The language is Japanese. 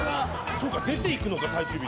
そうか出ていくのか最終日って。